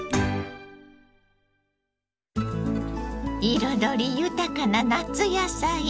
彩り豊かな夏野菜。